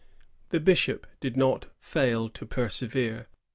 163 The bishop did not fail to persevere.